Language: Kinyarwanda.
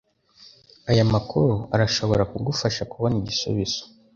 Aya makuru arashobora kugufasha kubona igisubizo.